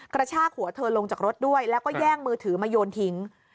กระชากหัวเธอลงจากรถด้วยแล้วก็แย่งมือถือมาโยนทิ้ง